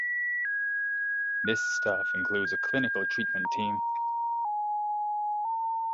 This staff includes a clinical treatment team.